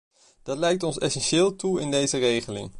Dat lijkt ons essentieel toe in deze regeling.